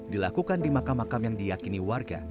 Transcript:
dilakukan di makam makam yang diyakini warga